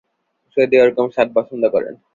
যদি ওরকম স্বাদ পছন্দ করেন।